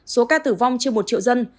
số ca tử vong trên một triệu dân